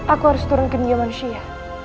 aku harus turun ke dunia manusia